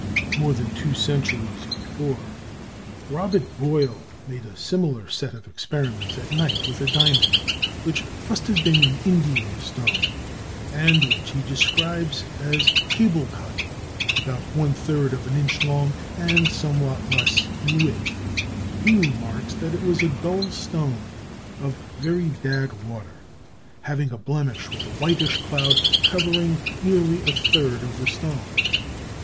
More than two centuries before, Robert Boyle made a similar set of experiments at night with a diamond which must have been an Indian stone, and which he describes as table cut, about one third of an inch long and somewhat less in width; he remarks that it was a dull stone of very bad water, having a blemish with a whitish cloud covering nearly a third of the stone.